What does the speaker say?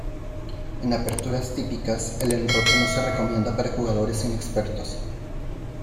En aperturas típicas, el enroque no se recomienda para jugadores inexpertos.